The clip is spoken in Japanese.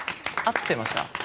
合ってました。